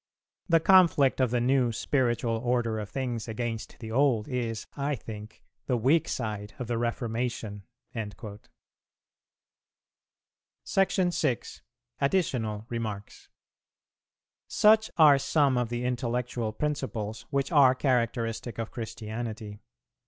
The conflict of the new spiritual order of things against the old, is, I think, the weak side of the Reformation."[352:1] § 6. Additional Remarks. Such are some of the intellectual principles which are characteristic of Christianity.